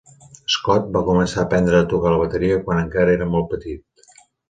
Scott va començar a aprendre a tocar la bateria quan encara era molt petit.